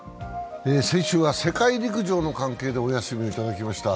先週は世界陸上の関係でお休みをいただきました。